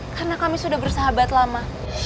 karena kami sudah bersahabat lama